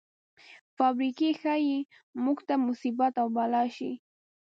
فابریکې ښايي موږ ته مصیبت او بلا شي.